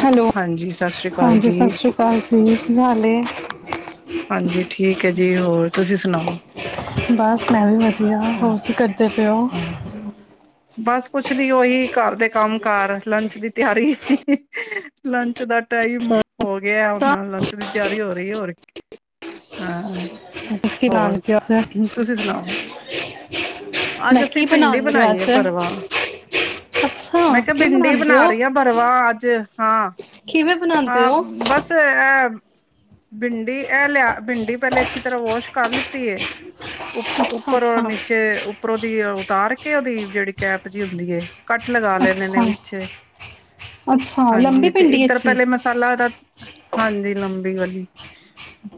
Hello ਹਾਂਜੀ, ਸਤਿ ਸ੍ਰੀ ਅਕਾਲ ਹਾਂਜੀ, ਜੀ। ਸਸ ਰੀ ਕਾਲ ਜੀ ਕੀ ਹਾਲ ਏ [unintelligible] ਹਾਂਜੀ, ਠੀਕ ਹੈ ਜੀ ਜੀ ਹੋਰ, ਤੁਸੀਂ ਸੁਣਾਓ ਬਸ ਮੈਂ ਵੀ ਮ ਹਾਂ, ਹੋ ਕੀ ਕਰਦੇ ਪਇਓ [inaudible] ਹਾਂ, ਬਸ ਕੁਛ ਨੀ ਉਹੀ ਘਰ ਦੇ ਕੰਮ- ਕਾਰ ਲੰਚ ਦੀ ਤਿਆਰੀ ਹੀ-ਹੀ-ਹੀ ਲੰਚ ਦਾ ਟਾਈਮ ਹੋ ਗਿਆ ਹੁਨ ਨਾਲ ਲੰਚ ਦੀ ਤਿਆਰੀ ਹੋ ਰਹੀ ਐ ਹੋਰ ਕੀ ਹਾਂ ਕੀ ਹੋਰ ਨਾਨ ਕਿਹਾ ਸੇ। [inaudible] ਤੁਸੀਂ ਸੁਣਾਓ? ਅੱਜ ਅਸੀਂ ਭਿੰਡੀ ਬਣਾਈ ਹੈ ਭਰਵਾਂ, ਅੱਛਾ ਮੈਂ ਕਿਹਾ ਕੀ ਭਿੰਡੀ ਬਣਾਉਂਦੇ ਬਣਾ ਹੋ ਰਹੀ ਹਾਂ ਭਰਵਾਂ ਅੱਜ ਹਾਂ, ਕਿਵੇਂ ਬਣਾਉਂਦੇ ਹਾਂ ਹੋ ਬਸ ਇਹ ਪਿੰਡੀ ਇਹ ਲਿਆ ਬਿੰਡੀ ਪਹਿਲੇ ਅੱਛੀ ਤਰ੍ਹਾਂ ਵਾਸ਼ ਕਰ ਲਿੱਤੀ ਏ- ਅੱਛਾ ਉੱਪਰ ਅੱਛਾ ਔਰ ਨੀਚੇ ਉਹਦੀ ਉਤਾਰ ਕੇ ਉਹਦੀ ਜਿਹੜੀ ਕੈਪ ਜਿ ਹੁੰਦੀ ਏ ਕੱਟ ਲਗਾ ਲੈਣੇ ਅੱਛਾ ਨੇ ਵਿੱਚੇ ਅੱਛਾ ਲੰਬੀ ਹਾਂਜੀ ਤੇ ਭਿੰਡੀ ਇੱਕ ਤਰ ਅੱਛੀ ਪਹਿਲੇ ਮਸਾਲਾ ਦਾ ਹਾਂਜੀ ਲੰਬੀ ਵਾਲੀ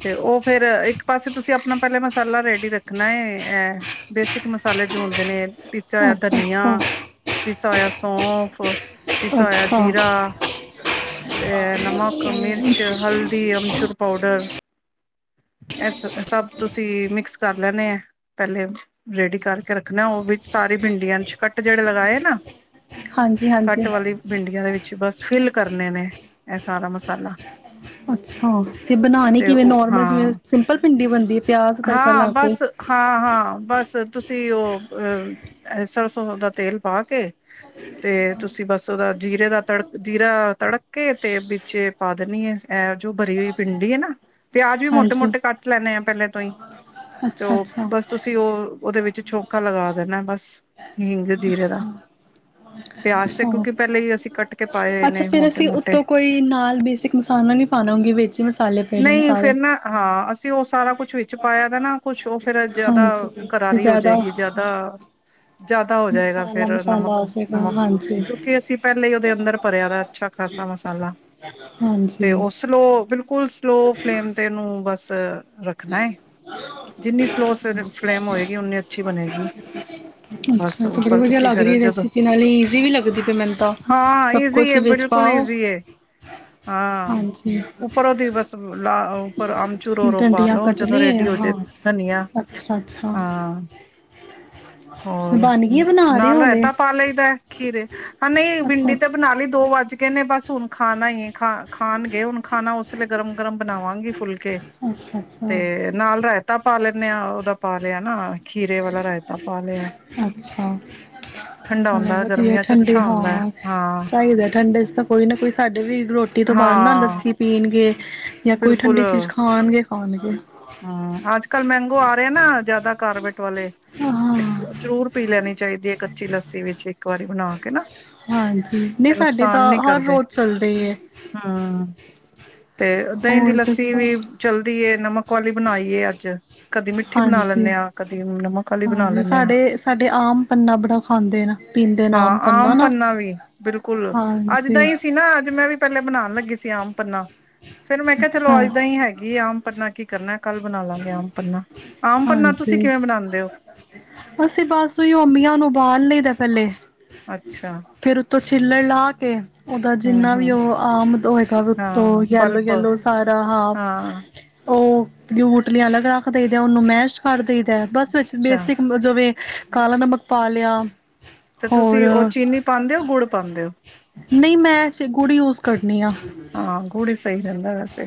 ਤੇ ਉਹ ਫੇਰ ਇੱਕ ਪਾਸੇ ਤੁਸੀਂ ਆਪਣਾ ਪਹਿਲੇ ਮਸਾਲਾ ਰੈਡੀ ਰੱਖਣਾ ਇਹ ਬੇਸਿਕ ਮਸਾਲੇ ਜੋ ਹੁੰਦੇ ਨੇ ਪੀਸਾ ਹੋਇਆ ਅੱਛਾ ਧਨੀਆ ਅੱਛਾ ਪਿਸਆ ਹੋਇਆ ਸੌਂਫ ਪੀਸਾ ਹੋਯਾ ਅੱਛਾ ਜੀਰਾ ਤੇ ਨਮਕ, ਮਿਰਚ, ਹਲਦੀ, ਅਮਚੂਰ ਪਾਊਡਰ ਇਸ ਸਭ ਤੁਸੀਂ ਮਿਕਸ ਕਰ ਲੈਣੇ ਆ ਪਹਿਲੇ ਰੇਡੀ ਕਰਕੇ ਰੱਖਣਾ ਉਹ ਵੀ ਸਾਰੀ ਪਿੰਡੀਆਂ ਚ ਕੱਟ ਜਿਹੜੇ ਲਗਾਏ ਨਾ ਹਾਂਜੀ ਹਾਂਜੀ ਕੱਟ ਵਾਲੀ ਪਿੰਡੀਆਂ ਦੇ ਵਿੱਚ ਕੁ ਬਸ ਫਿਲ ਕਰਨੇ ਨੇ ਇਹ ਸਾਰਾ ਮਸਾਲਾ ਅੱਛਾ ਤੇ ਬਣਾਣੇ ਤੇ ਕਿਵੇਂ ਉਹ ਨੋਰਮਲ ਜਿਵੇਂ ਹਾਂ ਸਿੰਪਲ ਭਿੰਡੀ ਬਣਦੀ ਹੈ ਪਿਆਜ਼ ਤੜਕਾ ਹਾਂ ਲਾ ਕੇ ਬਸ ਹਾਂ ਹਾਂ ਬਸ ਤੁਸੀਂ ਉਹ ਅਹ ਸਰਸਦਾ ਤੇਲ ਪਾ ਕੇ ਤੇ ਤੁਸੀਂ ਬਸ ਉਹਦਾ ਜੀਰੇ ਦਾ ਤੜਕ ਜੀਰਾ ਤੜਕ ਕੇ ਤੇ ਵਿੱਚ ਪਾ ਦੇਣੀ ਆ ਇਹ ਜੋ ਭਰੀ ਹੋਈ ਪਿੰਡੀ ਹੈ ਨਾ ਪਿਆਜ਼ ਵੀ ਹਾਂਜੀ ਮੋਟੇ-ਮੋਟੇ ਕੱਟ ਲੈਂਦੇ ਆਾਂ ਪਹਿਲਾਂ ਤੋਂ ਹੀ ਤੇ ਅੱਛਾ ਅੱਛਾ ਉਹ ਅੱਛਾ ਬਸ ਤੁਸੀਂ ਉਹ ਦੇ ਵਿੱਚ ਛੋਂਕਾ ਲਗਾ ਦੇਣਾ ਬਸ ਹਿੰਗ ਜੀਰੇ ਦਾ ਪਿਆਜ ਤੇ ਅੱਛਾ ਕਿਉਂਕਿ ਪਹਿਲੇਾਂ ਹੀ ਅਸੀਂ ਕੱਟ ਕੇ ਪਾਏ ਹੋਏ ਅੱਛਾ ਨੇੇ ਫੇਰ ਮੋਟੇ- ਅਸੀਂ ਮੋਟੇ ਉੱਤੋਂ ਕੋਈ ਨਾਲ ਬੇਸਿਕ ਮਸਾਲਾ ਨੀ ਪਾਣਾ ਉਂਗੇ ਵਿੱਚ ਹੀ ਮਸਾਲੇ ਪਏ ਦੇ ਨੇ ਨਹੀਂ ਸਾਰੇ। ਫੇਿਰ ਨਾ ਹਾਂ ਅਸੀਂ ਉਹ ਸਾਰਾ ਕੁਛ ਵਿੱਚ ਪਾਇਆ ਤਾਂ ਨਾ ਕੁਛ ਉਹ ਫੇਿਰ ਹਾਂਜੀ ਜ਼ਿਆਦਾ- ਤੇ ਹੋ ਜ਼ਿਆਦਾ ਜਾਏਗੀ ਜਿਆਦਾ ਜ਼ਿਆਦਾ ਹੋ ਜਾਏਗਾ ਮਸਾਲਾ ਫੇਰ ਮਸਾਲਾ ਨਮਕ ਹੋ ਜਾਏਗਾ ਨਮਕ ਹਾਂਜੀ। ਕਿਉਂਕਿ ਅਸੀਂ ਪਹਿਲੇਾਂ ਹੀ ਉਹਦੇ ਅੰਦਰ ਭਰਿਆ ਦਾ ਅੱਛਾ ਖਾਸਾ ਮਸਾਲਾ ਤੇ ਹਾਂਜੀ ਉਹ ਸਲੋ ਬਿਲਕੁਲ ਸਲੋ ਫਲੇਮ ਤੇ ਉਹਨੂੰ ਬਸ ਤ ਾਂ [unintelligible] ਓਨੀ ਅੱਛੀ ਬਣੇਗੀ ਬਸ ਅੱਛਾ ਤੇ ਬੜੀ ਉੱਪਰ ਵਧੀਆ ਤੁਸੀਂ ਲੱਗ ਰਹੀ ਫਰ ਹੈ ਜਦੋਂ ਰੈਸਿਪੀ ਨਾਲੇ ਈਜ਼ੀ ਵੀ ਲੱਗਦੀ ਪਈ ਮੈਨੂੰ ਤਾਂ। ਹਾਂ ਸਭ ਈਜ਼ੀ ਕੁਛ ਏ ਵਿੱਚ ਬਿਲਕੁਲ ਪਾਓ ਈਜ਼ੀ ਏ ਹਾਂ ਹਾਂਜੀ ਉੱਪਰ ਉਹਦੀ ਬਸ ਲਾ ਪਰ ਅਮਚੂਰ ਰੋਂ ਪਾ ਡੰਡੀਆਂ ਲੋ ਕੱਟ ਜਦੋਂ ਲਈ ਰੈਡੀ ਹੋਜੇ ਹਾਂ। ਪਿੰਡੀਆ ਅੱਛਾ ਅੱਛਾ ਹਾਂ ਅੱਛਾ ਹੋਰ ਬਣ ਗਈ ਬਣਾ ਰਹੇ ਨਾਲ ਹੋ ਰੈਤਾ ਹਲੇ ਤਾਂ ਪਾ ਲਈਦਾ ਖੀਰੇ ਹ ਨਹੀਂ ਅੱਛਾ। ਬਿੰਡੀ ਤੇ ਬਨਾ ਲਈ ਦੋ ਵੱਜ ਗਏ ਨੇ ਬਸ ਹੁਣ ਖਾਣਾ ਹੀ ਖਾ ਖਾਣ ਗਏ ਹੁਣ ਖਾਣਾ ਉਸ ਗਰਮ ਗਰਮ ਬਣਾਵਾਂਗੇ ਫੁਲ ਕੇ ਅੱਛਾ ਅੱਛਾ ਤੇ ਨਾਲ ਰਾਇਤਾ ਪਾ ਲੈਂਦੇ ਹਾਂ ਉਹਦਾ ਪਾਾਲਿਆ ਨਾ ਖੀਰੇ ਵਾ ਰਹਿ ਅੱਛਾ ਠੰਡਾ ਚਲੋ ਹੁੰਦਾ ਵਧੀਆ ਗਰਮੀਆਂ ਚ ਠੰਡੇ ਅੱਛਾ ਹੁੰਦਾ ਹੈ। ਹਾਂ ਹਾਂ ਚਾਹੀਦਾ ਠੰਡੇ ਤਾਂ ਕੋਈ ਨਾ ਕੋਈ ਸਾਡੇ ਵੀ ਰੋਟੀ ਤੋਂ ਬਾਅਦ ਨਾ ਹਾਂ ਲੱਸੀ ਪੀਣਗੇ ਜਾਂ ਕੋਈ ਬਿਲਕੁਲ ਠੰਡੀ ਚੀਜ਼ ਖਾਣਗੇ ਖਾਣਗੇ ਹਮ ਅੱਜ ਕੱਲ ਮੈਂਗੋ ਆ ਰਿਹਾ ਨਾ ਜਿਆਦਾ ਕਾਰਬਟ ਵਾਲੇ ਤੇ ਹਾਂ ਜ਼ਰੂਰ ਪੀ ਲੈਣੀ ਚਾਹੀਦੀ ਹੈ ਕੱਚੀ ਲੱਸੀ ਵਿੱਚ ਇੱਕ ਵਾਰੀ ਬਣਾ ਕੇ ਨਾ ਹਾਂਜੀ ਨਹੀਂ ਤੇ ਸਾਡੇ ਤਾਂ ਨੁਕਸਾਨ ਨੀ ਹਰ ਕਰਦੇ ਰੋਜ਼ ਚੱਲਦੇ ਹੀ ਹੈ ਉਦ ਹੀ ਦੀ ਲੱਸੀ ਵੀ ਚਲਦੀ ਏ ਨਮਕ ਵਾਲੀ ਬਣਾਈਏ ਅੱਜ ਕਦੀ ਮਿੱਠੀ ਬਣਾ ਲੈਂਦੇ ਹਾਂਜੀ ਹਾਂ ਕਦੀ ਨਮਕ ਵਾਲੀ ਬਣਾ ਹਾਂਜੀ ਲੈਂਦੇ ਹਾਂ ਸਾਡੇ ਸਾਡੇ ਆਮ ਪੰਨਾ ਬੜਾ ਖਾਂਦੇ ਨਾ ਪੀਂਦੇ ਨੇ ਹਾਂ ਆਮ ਨਾ ਪੰਨਾ ਵੀ ਬਿਲਕੁਲ ਅੱਜ ਦਾ ਹਾਂਜੀ ਹੀ ਸੀ ਨਾ ਅੱਜ ਮੈਂ ਵੀ ਪਹਿਲੇ ਬਣਾਉਣ ਲੱਗੀ ਸੀ ਆਮ ਪੰਨਾ ਫੇਿਰ ਮੈਂ ਕਿਹਾ ਅੱਛਾ ਚਲੋ ਇੱਦਾਂ ਹੀ ਹੈਗੀ ਆਮ ਪਰਨਾ ਕੀ ਕਰਨਾ ਕੱਲ ਬਣਾ ਲਾਂਗੇ ਆਮ ਪੰਨਾ ਆਮ ਪੰਨਾ ਤੁਸੀਂ ਹਾਂਜੀ ਕਿਵੇਂ ਬਣਾਉਂਦੇ ਹੋ ਅਸੀਂ ਬਸ ਉਹੀ ਅਮੀਆਂ ਨੂੰ ਉਬਾਲ ਲਈ ਦਾ ੱਲੇ ਅੱਛਾ ਛਿਲੜ ਲਾ ਕੇ ਉਹਦਾ ਜਿੰਨਾ ਹਮ ਵੀ ਹਮ ਆਮ ਉੱਤੋਂ ਹਾਂ ਪਲਪ ਯੈਲੋ ਸਾਰਾ ਹ ਹਾਂ ਉਹ ਬੂਟਲੀਆਂ ਅਲੱਗ ਰੱਖ ਦਈਦੇ ਆ ਉਹਨੂੰ ਮੈਸ਼ ਕਰ ਦੇ ਤੇ ਬਸ ਵਿੱਚ ਅੱਛਾ ਬੇਸਿਕ ਜੋ ਵੀ ਕਾਲਾ ਨਮਕ ਪਾ ਲਿਆ ਤੇ ਹੋਰ ਤੁਸੀਂ ਉਹ ਚੀਨੀ ਪਾਉਂਦੇ ਹੋ ਗੁੜ ਪਾਉਂਦੇ ਹੋ ਨਹੀਂ ਮੈਂੇ ਗੁੜੀ ਯੂਜ ਕਰਨੀ ਆ ਹਾਂ ਗੜ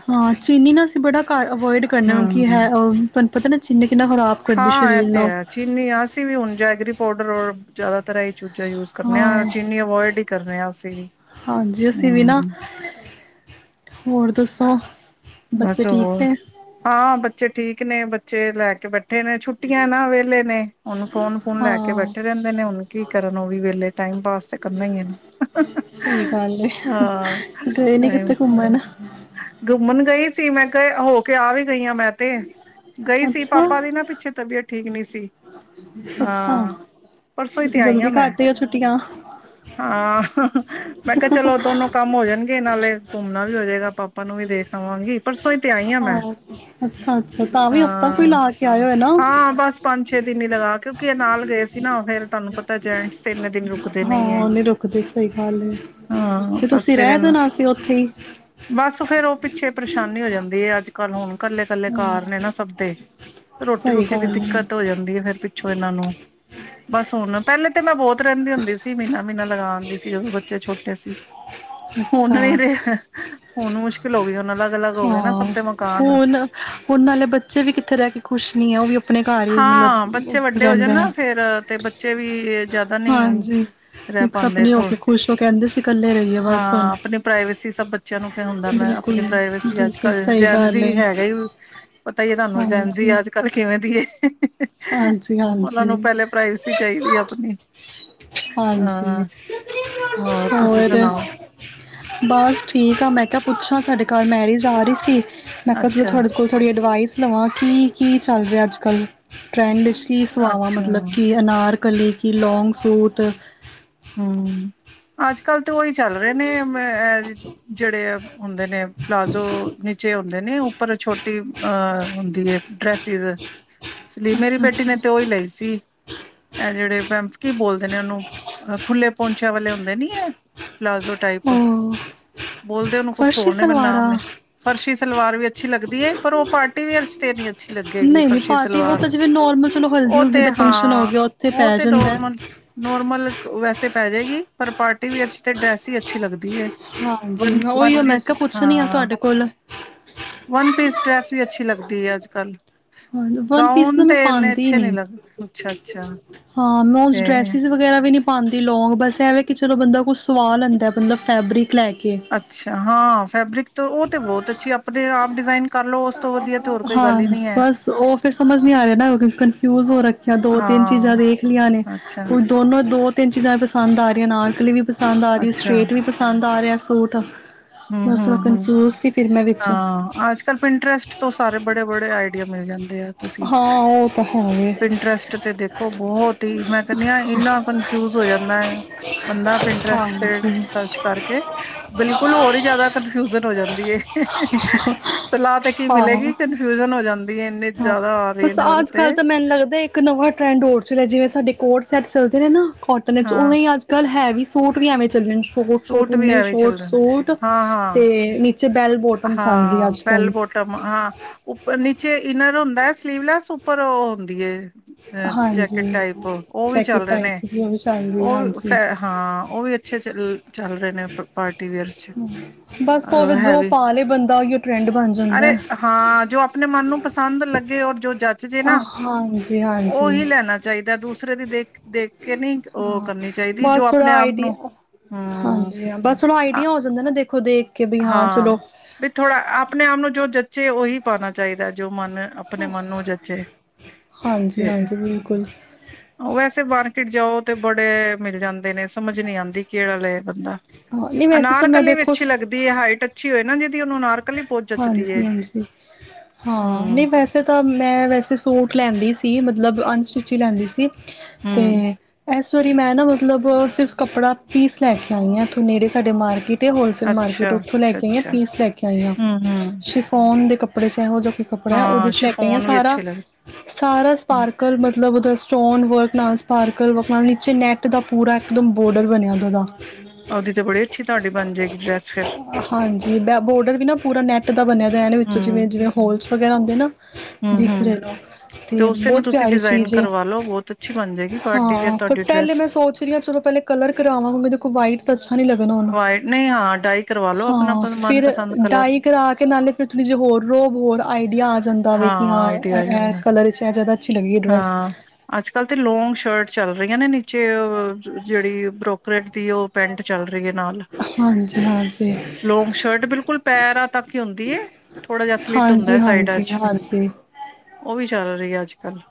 ਹਾਂ ਚੀਨੀ ਨਾ ਅਸੀਂ ਬੜਾ ਘੱਟ ਵਿਚ ਬਹੁਤ ਅਵੋਇਡ ਕਰਨਾ ਕਿ ਹੈ ਹਮ ਪਤਾ ਨਾ ਚੀਨੀ ਕਿੰਨਾ ਖ਼ਰਾਬ ਕਰਦੀ ਹਾਂ ਇਹ ਸਰੀਰ ਤੇ ਨੂੰ ਹੈ ਚੀਨੀ ਅਸੀਂ ਵੀ ਹੁਣ ਜੈਗਰੀ ਪਾੋਡਰ ਜ਼ਿਆਦਾਤਰ ਇਹ ਚੂਜਾ ਯੂਜ ਕਰਨੇ ਆ ਹਾਂ ਚੀਨੀ ਅਵੋਇਡ ਕਰਨੇ ਆ ਅਸੀਂ ਵੀ ਹਾਂਜੀ, ਅਸੀਂ ਵੀ ਨਾ, ਹਮ ਹੋਰ ਦੱਸੋ। ਬੱਚੇ ਬਸ ਠੀਕ ਹੋਰ, ਨੇ ਹਾਂ ਬੱਚੇ ਬੱਚੇ ਠੀਕ ਨੇ। ਬੱਚੇ ਲੈ ਕੇ ਬੈਠੇ ਬੈਠੇ ਨੇ ਛੁੱਟੀਆਂ ਨਾ ਵਹਲੇ ਨੇ, ਉਹਨ ਫੋਨ- ਫੋਨ ਲੈ ਕੇ ਹਾਂ ਬੈਠੇ ਰਹਿੰਦੇ ਨੇ ਹਨ ਕੀ ਕਰਨ ਉਹ ਵੀ ਵੇਲੇ ਟਾਈਮ ਪਾਸ ਤੇ ਕਰਨਾ ਹੀ ਹੈ ਨਾ ਸਹੀ ਗੱਲ ਏ ਹਾਂ ਗਏ ਨੀ ਕਿਤੇ ਘੁੰਮਣ ਘੁੰਮਣ ਗਈ ਸੀ। ਮੈਂ ਕਿਹਾ ਹੋ ਕੇ ਆਵੇ ਗਈਆਂ ਮੈਂ ਤੇ, ਗਈ ਸੀ ਅੱਛਾ ਪਾਪਾ ਦੀ ਨਾ ਪਿੱਛੇ ਤਬੀਅਤ ਠੀਕ ਨੀ ਸੀ। ਅੱਛਾ ਹਾਂ, ਪਰਸੋਂ ਹੀ ਤੇ ਤੁਸੀਂ ਆਈ ਹਾ ਜਲਦੀ ਮੈਂ। ਕੱਟ ਆਏ ਹੋ ਛੁੱਟੀਆਂ ਹਾਂ ਮੈਂ ਕਿਹਾ ਚਲੋ ਦੋਨੋ ਕੰਮ ਹੋ ਜਾਣਗੇ ਨਾਲੇ ਘੁੰਮਣਾ ਵੀ ਹੋਜਏਗਾ ਪਾਪਾ ਨੂੰ ਵੀ ਦੇਖ ਲਵਾਂਗੀ ਪਰਸੋ ਅ ਅੱਛਾ -ਅੱਛਾ ਤਾਂ ਵੀ ਹਫ਼ਤਾ ਕੋਈ ਹਾਂ ਲਾ ਕੇ ਆਏ ਹੋ ਨਾ ੁ ਨਾਲ ਗਏ ਸੀ ਨਾ ਫੇਰ ਤੁਹਾਨੂੰ ਪਤਾ ਜੈਂ ਇੰਨੇ ਦਿਨ ਰੁ ਹਾਂ, ਉਹ ਨਹੀਂ ਰੁਕਦੇ ਸਹੀ ਗੱਲ ਹੈ ਹਾਂ ਤੇ ਬਸ ਤੁਸੀਂ ਫੇਰ ਰਹਿ ਇਹਨਾਂ ਜਾਣਾ ਸੀ ਉੱਥੇ ਹੀ ਬਸ ਫੇਰ ਉਹ ਪਿੱਛੇ ਪਰੇਸ਼ਾਨੀ ਹੋ ਜਾਂਦੀ ਹੈ, ਅੱਜ ਕੱਲ੍ਹ ਹੁਣ ਕੱਲੇ- ਕੱਲੇ ਘਰ ਨੇ ਨਾ ਸਭ ਦੇ ਰੋਟੀ ਸਹੀ -ਰੋਟੀ ਦੀ ਗੱਲ ਏ ਦਿੱਕਤ ਹੋ ਜਾਂਦੀ ਹੈ ਫੇਰ ਪੁੱਛੋ ਇਹਨਾਂ ਨੂੰ, ਬਸ ਹੁਣ ਪਹਿਲੇ ਤੇ ਮੈਂ ਬਹੁਤ ਰਹਿੰਦੀ ਹੁੰਦੀ ਸੀ। ਸੀ ਮਹੀਨਾ -ਮਹੀਨਾ ਲਗਾ ਆਂਦੀ ਸੀ ਜਦੋਂ ਬੱਚੇ ਛੋਟੇ ਸੀ। ਹੁਣ ਅੱਛਾ, ਨੀ ਰਿਹਾ ਹੁਣ ਮੁਸ਼ਕਿਲ ਹੋ ਗਈ ਹੁਣ ਅਲੱਗ-ਅਲੱਗ ਹੋ ਗਏ ਨਾ ਸਭ ਹਾਂ ਦੇ ਮਕਾਨ। ਹੁਣ ਹੁਣ ਨਾਲੇ ਬੱਚੇ ਵੀ ਕਿੱਥੇ ਰਹਿ ਕੇ ਖੁਸ਼ ਨੀ ਹੈ ਉਹ ਵੀ ਆਪਣੇ ਘਰ ਹੀ ਹਾਂ, ਬੱਚੇ ਮਤਲਬ ਵੱਡੇ ਹੋ ਜਾਣ ਰਹਿੰਦੇ ਆ ਨਾ ਫੇਰ ਤੇ ਬੱਚੇ ਵੀ ਜ਼ਿਆਦਾ ਨੀ ਹਾਂਜੀ ਰਹਿ ਪਾਂਦੇ ਮਸਪਣੇ ਹੋ ਥੋੜ ਕੇ ਖੁਸ਼ ਹੋ ਕੇਹਿੰਦੇ ਹਾਂ, ਆਪਣੀ ਪ੍ਰਾਈਵੇਸੀ ਸਭ ਬੱਚਿਆਂ ਨੂੰ ਕ ਹੁੰਦਾ ਮੈਂ ਬਿਲਕੁਲ ਆਪਣੀ ਪ੍ਰਾਈਵੇਸੀ ਅੱਜ ਬਿਲਕੁਲ ਕੱਲ ਸਹੀ ਜੈਨਸ ਗੱਲ ਹੀ ਹੈ ਹੈਗੇ ਹੀ ਪਤਾ ਤੁਹਾਨੂੰ ਜੈਨਜੀ ਹਾਂਜੀ ਅੱਜ ਕੱਲ੍ਹ ਕਿਵੇਂ ਦੀ ਏ ਹਾਂਜੀ ਉਹਨਾਂ ਨੂੰ ਹਾਂਜੀ ਪਹਿਲੇ ਪ੍ਰਾਈਵੇਸੀ ਚਾਹੀਦੀ ਆਪਣੀ, ਹਾਂ ਹਾਂਜੀ ਹੋਰ ਤੁਸੀਂ ਹੋਰ ਸੁਣਾਓ ਬਸ ਠੀਕ ਆ ਮੈਂ ਕਿਹਾ ਪੁੱਛਾਂ ਸਾਡੇ ਕੱਲ ਮੈਰਿਜ ਆ ਰਹੀ ਸੀ ਮੈਂ ਕਿਹਾ ਚਲੋ ਤੁਹਾਡੇ ਕੋਲ ਥੋੜੀ ਅਡਵਾਈਸ ਲਵਾਂ ਕੀ? ਕੀ ਚੱਲ ਰਿਹਾ ਅੱਜ ਕੱਲ? ਟਰੈਂਡ ਕੀ ਸੁਆਵਾਂ ਮਤਲਬ ਅੱਛਾ-ਅੱਛਾ ਕਿ ਅਨਾਰ ਕਲੀ ਕਿ ਲੌਂਗ ਸੂਟ ਹਮ ਅੱਜ ਕੱਲ ਤਾਂ ਉਹੀ ਚੱਲ ਰਹੇ ਨੇ ਜਿਹੜੇ ਹੁੰਦੇ ਨੇ ਪਲਾਜ਼ੋ ਨੀਚੇ ਹੁੰਦੇ ਨੇ ਉੱਪਰ ਛੋਟੀ ਅ ਹੁੰਦੀ ਹੈ ਡਰੈਸਿਸ ਇਸ ਲਈ ਮੇਰੀ ਅੱਛਾ ਬੇਟੀ ਨੇ ਅੱਛਾ ਤੇ ਉਹ ਲਈ ਸੀ ਇਹ ਜਿਹੜੇ ਪੈਂਕੀ ਬੋਲਦੇ ਨੇ ਉਹਨੂੰ ਅ ਖੁੱਲੇ ਪਹੁੰਚਿਆਂ ਵਾਲੇ ਹੁੰਦੇ ਨੀ ਹੈ ਪਲਾਜ਼ੋ ਟਾਈਪ ਉਹ ਬੋਲਦੇ ਉਹਨੂੰ ਕੁਛ ਫਰਸ਼ੀ ਹੋਰ ਨੇ ਮੈਨੂੰ ਨਾਮ ਸਲਵਾਰਾਂ ਨੀ ਫਰਸ਼ੀ ਸਲਵਾਰ ਵੀ ਅੱਛੀ ਲੱਗਦੀ ਹੈ ਪਰ ਉਹ ਪਾਰਟੀ ਵੀ ਤੇਰੀਆਂ ਨਹੀਂ ਨਹੀਂ ਪਾਰਟੀ ਓਹ ਤਾਂ ਜਿਵੇਂ ਨੋਰਮਲ ਚਲੋ ਹਲਦੀ ਉਹ ਹੁਲਦੀ ਤੇ ਦਾ ਫੰਕਸ਼ਨ ਹੋ ਹਾਂ ਗਿਆ ਉੱਥੇ ਉਹ ਪੈ ਤੇ ਜਾਂਦਾ ਹੈ ਨੋਰਮਲ ਨੋਰਮਲ ਵੈਸੇ ਪੈ ਜਾਏਗੀ ਪਰ ਪਾਰਟੀ ਵੀ ਅਰ ਚ ਤੇ ਡਰੈਸ ਹੀ ਅੱਛੀ ਲੱਗਦੀ ਹੈ ਹਾਂਜੀ ਵਨ ਮੈਂ ਓਹੀ ਵਨ ਆ ਮੈਂ ਪੀਸ ਕਿਹਾ ਪੁੱਛਣੀ ਆ ਹਾਂ ਤੁਹਾਡੇ ਕੋਲ ਡਰੈੱਸ ਵੀ ਅੱਛੀ ਲੱਗਦੀ ਹੈ ਅੱਜ ਕੱਲ੍ਹ ਹਾਂ, ਵਨ ਪੀਸ ਨਾ ਮੈਂ ਪਾਉਂਦੀ ਅੱਛੇ ਨੀ, ਲੱਗਦੇ ਅੱਛਾ ਅੱਛਾ ਹਾਂ ਮੈਂ ਉਸ ਤੇ ਡਰੈਸਿਸ ਵਗੈਰਾ ਵੀ ਨੀ ਪਾਾਂਦੀ ਲੋਂਂਗ, ਬਸ ਇਹਵੇਂ ਕਿ ਚਲੋ ਬੰਦਾ ਕੁਛ ਸਵਾ ਲੈਂਦਾ ਮਤਲਬ ਫੈਬਰਿਕ ਲੈ ਕੇ ਅੱਛਾ, ਹਾਂ, ਫੈਬਰਿਕ ਤਾਂ ਉਹ ਤੇ ਬਹੁਤ ਅੱਛੀ ਆਪਣੇ ਆਪ ਡਿਜ਼ਾਈਨ ਹਾਂ, ਬਸ ਉਹ ਫਿਰ ਸਮਝ ਨੀ ਆ ਰਿਹਾ ਨਾ, ਕਨਫਿਊਜ ਹੋ ਰੱਖੀਆਂ ਦੋ ਤਿੰਨ ਚੀਜ਼ਾਂ ਹਾਂ ਦੇਖ ਲਈਆਂ ਨੇ ਅੱਛਾ ਕੁ ਦੋਨੋ ਦੋ ਤਿੰਨ ਚੀਜ਼ਾਂ ਪਸੰਦ ਆ ਰਹੀਆਂ ਅਨਾਰਕਲੀ ਵੀ ਪਸੰਦ ਆ ਰਹੀ, ਸਟ੍ਰਰੇਟ ਵੀ ਪਸੰਦ ਸਾਰਿਆ ਸੂਟ ਹੂੰ, ਬਸ ਹੂੰ, ਥੋੜ੍ਹਾ ਹੂੰ ਕਨਫਿਊਜ਼ ਸੀ ਫਿਰ ਮੈਂ ਵਿੱਚ ਹਾਂ, ਅੱਜ ਕੱਲ ਪਿੰਡ ਟੈਸਟ ਤੋਂ ਸਾਰੇ ਬੜੇ ਬੜੇ ਆਈ ਮਿਲ ਜਾਂਦੀਆਂ। ਤੁਸੀਂ ਹਾਂ ਉਹ ਤਾਂ ਹੈ ਵੇ ਇੰਟਰਸਟ ਤੇ ਦੇਖੋ ਬਹੁਤ ਹੀ, ਮੈਂ ਕਹਿੰਦੀ ਹਾਂ ਇੰਨਾ ਕਨਫਿਊਜ ਹੋ ਜਾਂ ਮੈ ਬੰਦਾ ਆਪ ਇੰਟਰਸਟ ਹਾਂਜੀ ਸਰਚ ਕਰਕੇ ਬਿਲਕੁਲ ਹੋਰ ਹੀ ਜਿਆਦਾ ਕਨਫਿਊਜਨ ਹੋ ਜਾਂਦੀ ਏ, ਸਲਾਹ ਤੇ ਕੀ ਹਾਂ ਮਿਲੇਗੀ ਕਨਫਿਊਜਨ ਹੋ ਜਾਂਦੀ ਹੈ। ਇੰਨੇ ਹਾਂ, ਜ਼ਿਆਦਾ ਆ ਰਹੇ ਬਸ ਨੇ ਉਹਦੇ ਅੱਜ ਤੇ ਕੱਲ ਤਾਂ ਮੈਨੂੰ ਲੱਗਦਾ ਦਾ ਇੱਕ ਨਵਾਂ ਟਰੈਂਡ ਹੋਰ ਚੱਲਿਆ, ਜਿਵੇਂ ਸਾਡੇ ਕੋਡ ਸੈਟ ਚੱਲਦੇ ਨੇ ਨਾ ਕੋਟਨ ਵਿੱਚ ਹਾਂ ਉਵੇਂ ਅੱਜ ਕੱਲ੍ਹ ਹੈ ਵੀ ਸੂਟ ਵੀ ਐਵੇਂ ਚ ਸ਼ੋਟ ਸ਼ੋਟ ਸੂਟ ਵੀ ਉੇ ਐਵੇਂ ਸ਼ੋਟ ਚੱਲਦੇ ਨੇ ਸ਼ੂਟ ਹਾਂ ਤੇ ਹਾਂ ਬੈਲ ਬੋਟਮ ਚੱਲ ਰਹੀ ਹਾਂ, ਅੱਜ ਬੈਲ ਕੱਲ੍ਹ ਬੋਟਮ ਹਾਂ, ਉਪਰ ਨੀਚੇ ਹੁੰਦਾ ਸਲੀਵਲੈਸ ਉੱਪਰ ਉਹ ਹੁੰਦੀ ਐ। ਅ ਜੈਕਟ ਹਾਂਜੀ ਟਾਈਪ ਉਹ ਵੀ ਚੱਲ ਜੈਕਟ ਰਹੇ ਨੇ, ਟਾਈਪ ਜੀ ਉਹ ਵੀ ਚੱਲ ਰਹੀ ਉਹ ਵੀ ਹਾਂਜੀ ਹਾਂ, ਉਹ ਵੀ ਅੱਛੇ ਚੱਲ ਰਹੇ ਨੇ ਪਾਰਟੀ ਵੇਅਰ ਚ। ਬਸ ਉਹ ਹੈ ਜੋ ਵੀ ਪਾ ਲਏ ਬੰਦਾ ਉਹੀ ਟਰੈਂਡ ਬਣ ਅਰੇ ਜਾਂਦਾ ਹਾਂ, ਜੋ ਆਪਣੇ ਮਨ ਨੂੰ ਪਸੰਦ ਲੱਗੇ ਉਹ ਜੋ ਜੇ ਨਾ ਹਾਂਜੀ ਹਾਂਜੀ ਉਹੀ ਲੈਣਾ ਚਾਹੀਦਾ। ਦੂਸਰੇ ਦੀ ਦੇਖ ਦੇਖ ਕੇ ਨਹੀਂ ਉਹ ਹਾਂ ਕਰਨੀ ਚਾਹੀਦੀ ਜੋ ਬਸ ਥੋੜ੍ਹਾ ਆਪਣੇ ਆਪ ਨੂੰ ਆਈਡੀਆ, ਹਮ ਹਾਂਜੀ ਬਸ ਥੋੜ੍ਹਾ ਆਈਡੀਆ ਹੋ ਜਾਂਦਾ ਨਾ ਦੇਖ। ਖੁਦ ਇੱਕ ਹਾਂ ਵੀ ਥੋੜਾ ਆਪਣੇ ਆਪ ਨੂੰ ਜੋ ਜਚੇ ਉਹੀ ਪਾਣਾ ਚਾਹੀਦਾ ਹੈ, ਜੋ ਮਨ ਆਪਣੇ ਮਨ ਨੂੰ ਜਚੇ ਹਾਂਜੀ ਤੇ ਹਾਂਜੀ ਬਿਲਕੁਲ ਵੈਸੇ ਮਾਰਕੀਟ ਜਾਉ ਬੜੇ ਮਿਲ ਜਾਂਦੇ ਨੇ, ਸਮਝ ਨੀ ਆਦੀ, ਕਿਹੜਾ ਲਐ ਬੰਦਾ। ਹਾਂ, ਨਹੀਂ ਵੈਸੇ ਤਾਂ ਮੈਂ, ਦੇਖੋ। ਦੀ ਹਾਈਟ ਅੱਛੀ। ਹੋਏ ਨਾ ਜਦੀ, ਉਹਨੂੰ ਨਾਰ ਹਾਂਜੀ-ਹਾਂਜੀ ਹਾਂ, ਹੂੰ ਨਹੀਂ ਵੈਸੇ ਤਾਂ ਮੈਂ, ਵੈਸੇ ਸੂਟ ਲੈਂਦੀ ਸੀ, ਮਤਲਬ। ਮਤਲਬ, ਅਨਸਟਿਚੀ ਲੈਂਦੀ ਸੀ। ਤੇ ਹੂੰ ਇਸ ਵਾਰੀ ਮੈਂ ਨਾ, ਮਤਲਬ ਸਿਰਫ ਕੱਪੜਾ ਪੀਸ ਲੈ ਕੇ ਆਈ ਹਾਂ ਇੱਥੋਂ, ਨੇੜੇ ਸਾਡੇ ਮਾਰਕੀਟ। ਹੋਲਸੇਲ ਮਾਰਕੀਟ, ਅੱਛਾ ਉੱਥੋਂ ਲੈ ਅੱਛਾ ਕੇ ਆਈਆਂ, ਅੱਛਾ ਪੀਸ ਲੈ ਕੇ ਆਈਆਂ। ਹੂੰ ਹੂੰ ਸ਼ਿਫੋਨ ਦੇ ਕੱਪੜੇ। ਕੱਪੜੇ ਔਹੇ ਜਿਹਾ, ਕੱਪੜਾ ਹੈ ਉਹਦੇ ਹਾਂ ਚ, ਲੈ ਕੇ ਆਈਆਂ ਸ਼ਿਫੋਨ ਵੀ ਸਾਰਾ, ਅੱਛੇ ਲੱਗਦੇ ਸਾਰਾ ਹੂੰ, ਸਪਾਰਕਲ ਮਤਲਬ ਉਹਦਾ। ਸਟੋਨ ਵਰਕ ਨਾਲ, ਸਪਾਰਕਲ ਵਰਕ ਨਾਲ, ਨੀਚੇ ਨੈੱਟ ਦਾ ਪੂਰਾ ਇੱਕਦਮ ਬੋਡਰ ਬਣਿਆ ਉਹਦਾ। ਉਹਦੀ ਤਾਂ ਬੜੀ ਅੱਛੀ, ਤੁਹਾਡੀ ਬਣ ਜਾਏਗੀ ਡਰੈੱਸ ਫਿਰ। ਹਾਂਜੀ ਬ ਬੋਰਡਰ ਵੀ ਨਾ ਪੂਰਾ ਨੈਟ। ਹੂੰ ਹੂੰ ਦਿਖ ਹੂੰ ਰਹੇ ਤੇ ਉਸੇ ਨੂੰ ਬਹੁਤ ਤੁਸੀਂ ਪਿਆਰੀ ਡਿਜ਼ਾਇਨ ਚੀਜ਼ ਕਰਵਾ ਲਓ ਬਹੁਤ ਅੱਛੀ ਬਣ ਜਾਏਗੀ ਪਾਰਟੀ ਵੇਅਰ ਹਾਂ, ਪਰ ਤੁਹਾਡੀ ਪਹਿਲੇ ਡਰੈਸ ਮੈਂ ਸੋਚ ਰਹੀ ਹਾਂ, ਚਲੋ ਪਹਿਲੇ ਕਲਰ ਕਰਾਵਾਂਗੇਗੇ, ਦੇਖੋ ਵਾਈਟ ਤਾਂ ਅੱਛਾ ਨੀ ਲੱਗਣਾ ਉਹਨੂੰ, ਵਾਈਟ ਨਹੀਂ ਹਾਂ ਡਾਈ ਕਰਵਾ ਲਓ ਆਪਣਾ ਹਾਂ ਪ ਫਿਰ ਮਨਪਸੰਦ ਕਲਰ ਡਾਈ ਕਿ ਨਾਲੇ ਫਿਰ ਥੋੜ੍ਹੀ ਜਿਹੀ ਹੋਰ ਰੋ, ਹੋਰ ਆਈਡੀਆ ਆ ਜਾਂਦਾ ਵੇ ਕਿ ਹਾਂ, ਆਈਡੀਆ ਆ ਇਹ ਜਾਂਦਾ ਕਲਰ 'ਚ ਇਹ ਜਿਆਦਾ। ਹਾਂ, ਅੱਜ ਕੱਲ੍ਹ ਤੇ ਲੋਂਂਗ ਸ਼ਰਟ ਚੱਲ ਰਹੀਆਂ ਨੇ। ਚ। ਜਿਹੜੀ ਬਰੋਕਰੇਟ ਦੀ ਉਹ ਪੈਂਟ ਚੱਲ ਰਹੀ ਹੈ ਨਾਲ ਹਾਂਜੀ ਹਾਂਜੀ ਲੋਂਗ ਸ਼ਰਟ, ਬਿਲਕੁਲ ਪੈਰਾਂ ਤੱਕ ਹੀ ਹੁੰਦੀ, ਥੋੜਾ ਜ ਸਲਿਟ ਹੁੰਦਾ ਹਾਂਜੀ ਹੈ ਸਾਈਡ ਹਾਂਜੀ ਚ, ਹਾਂਜੀ ਉਹ ਵੀ ਚੱਲ। ਅੱਜ ਕੱਲ੍ਹ।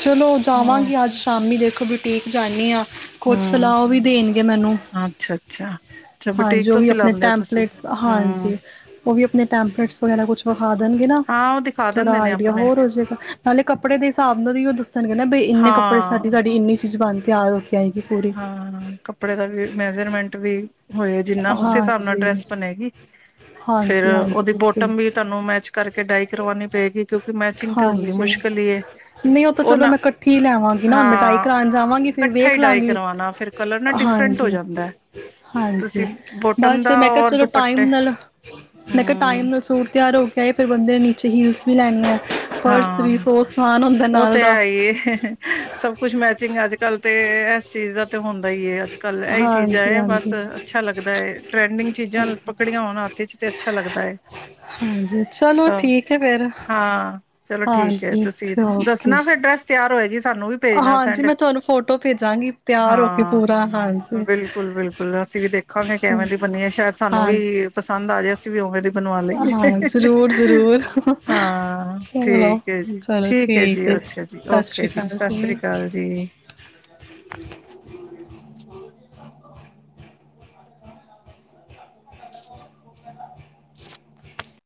ਚਲੋ, ਹੂੰ ਜਾਵਾਂਗੇ ਅੱਜ ਸ਼ਾਮੀ, ਦੇਖੋ ਬੁਟੀਕ ਜਾਂਨੀ ਆਂ। ਕੁਝ ਹੂੰ ਸਲਾਹ ਵੀ ਦੇਣ ਮੈਨੂੰ ਅੱਛਾ ਅੱਛਾ ਅੱਛਾ ਬੁਟੀਕ ਹਾਂਜੀ, ਉਹ ਤੋਂ ਵੀ ਆਪਣੇ ਸਿਲਾਉਂਦੇ ਹੋ ਤੁਸੀਂ ਟੈਂਪਲੇਟਸ, ਹਾਂਜੀ ਹੂੰ ਉਹ ਵੀ ਆਪਣੇ ਟੈਂਪਲੇਟਸ ਵਗੈਰਾ ਕੁਛ ਵਿਖਾ ਦੇਣ। ਨਾ, ਹਾਂ ਉਹ ਦਿਖਾ ਥੋੜਾ ਦਿੰਦੇ ਨੇ ਆਈਡੀਆ ਆਪਣੇ ਹੋਰ ਉਸ ਜੇਗਾ। ਨਾਲੇ ਕੱਪੜੇ ਦੇ ਹਿਸਾਬ ਨਾਲ ਹੀ ਉਹ ਦੱਸਣ ਗੇ ਨਾਂ ਬਈ ਇੰਨੇ ਕੱਪੜੇ ਚ, ਸਾਡੀ ਹਾਂ ਸਾਡੀ ਇੰਨੀ ਚੀਜ਼ ਬਣਦੀ। ਤਿਆਰ ਕੇ ਆਏਗੀ ਪੂਰੀ ਹਾਂ, ਕੱਪੜੇ ਦਾ ਵੀ ਮੈਜਰਮੈਂਟ ਵੀ। ਹੋਏ, ਜਿੰਨਾ ਉਸੇ ਹਿਸਾਬ ਨਾਲ ਹਾਂਜੀ ਡਰੈਸ ਬਣੇਗੀ, ਫੇਿਰ ਹਾਂਜੀ ਹਾਂਜੀ ਉਹਦੀ ਬਿਲਕੁਲ ਬੋਟਮ ਵੀ ਤੁਹਾਨੂੰ ਮੈਚ ਕਰਕੇ ਡਾਈ ਕਰਵਾਣੀ ਪਏਗੀ, ਕਿਉਂਕਿ ਮੈਚਿੰਗ ਤੇ ਹੁੰਦੀ ਹਾਂਜੀ ਮੁਸ਼ਕਿਲ ਹੀ। ਨਹੀਂ ਤਾਂ ਉਹ ਚਲੋ ਨਾ, ਮੈਂ ਇਕੱਠੀ ਲੈਵਾਂਗੀ ਨਾ ਹੁਣ ਮਿਟਾਈ ਹਾਂ ਕਰਾਉਣ ਜਾਵਾਂਗੀ ਫਿਰ ਇਕੱਠਾ ਹੀ ਵੇਖ ਡਾਈ। ਲਾਂਗੀ ਫਿਰ ਕਲਰ ਨਾ ਡਿਫਰੈਂਟ ਹੋ ਹਾਂਜੀ ਜਾਂਦਾ ਤੁਸੀਂ ਹਾਂਜੀ ਬੋਟਮ ਬਸ ਫਿਰ ਦਾ ਮੈਂ ਕਿਹਾ ਔਰ ਚਲੋ ਦੁਪੱਟੇ ਟਾਈਮ ਨਾਲ ਮੈਂ ਕਿਹਾ ਟਾਈਮ ਹੂੰ ਨਾਲ ਸੂਟ ਤਿਆਰ ਹੋ। [inaudible] ਫਿਰ ਬੰਦੇ ਨੇ ਨੀਚੇ ਹੀਲਸ ਵੀ ਲੈਣੀ ਹੈ। ਪਰਸ ਵੀ ਹਾਂ ਸੌ ਸਮਾਨ ਹੁੰਦਾ ਉਹ ਨਾਲ ਤੇ ਦਾ ਹੈ ਹੀ ਸਭ ਕੁਛ ਮੈਚਿੰਗ ਅੱਜ ਕੱਲ ਤੇ ਇਸ ਚੀਜ਼ ਦਾ ਹੁੰਦਾ ਈ ਹੈ ਅੱਜ ਕੱਲ ਇਹੀ ਹਾਂਜੀ ਚੀਜ਼ਾਂ ਬਸ ਹਾਂਜੀ ਅੱਛਾ ਲੱਗਦਾ ਹੈ ਟਰੈਂਡਿੰਗ ਚੀਜ਼ਾਂ ਪਕੜੀਆਂ ਹੋਣ ਹੱਥ ਚ ਤੇ ਅੱਛਾ ਲੱਗਦਾ ਹੈ ਹਾਂਜੀ ਚਲੋ ਸਭ ਠੀਕ ਹੈ ਫਿਰ ਹਾਂ। ਚਲੋ ਠੀਕ ਹੈ ਹਾਂਜੀ ਤੁਸੀਂ ਅੱਛਾ ਓਕੇ ਦੱਸਣਾ ਫਿਰ ਡਰੈਸ ਤਿਆਰ ਹੋਏਗੀ ਸਾਨੂੰ ਵੀ ਭੇਜਣਾ ਹਾਂਜੀ ਸੈਂਡ ਮੈਂ ਤੁਹਾਨੂੰ ਫੋਟੋ ਭੇਜਾਂਗੀ ਤਿਆਰ ਹੋ ਕੇ ਹਾਂ ਪੂਰਾ ਹਾਂਜੀ ਬਿਲਕੁਲ ਬਿਲਕੁਲ ਅਸੀਂ ਵੀ ਦੇਖਾਂਗੇ ਕਿਵੇਂ ਦੀ ਬਨੀਏ ਸ਼ਾਇਦ ਸਾਨੂੰ ਹਾਂਜੀ ਵੀ ਪਸੰਦ ਆ ਜਾਏ ਅਸੀਂ ਵੀ ਉਵੇਂ ਦੀ ਬਣਵਾ ਲਏ ਹਾਂ ਜ਼ਰੂਰ ਜ਼ਰੂਰ ਹਾਂ। ਚਲੋ ਠੀਕ ਹੈ ਜੀ ਚਲੋ ਠੀਕ ਹੈ ਜੀ ਅੱਛਾ ਜੀ ਸਤਿ ਸ਼੍ਰੀ ਓਕੇ ਜੀ ਅਕਾਲ ਸਤਿ ਸ੍ਰੀ ਅਕਾਲ ਜੀ।